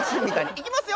いきますよ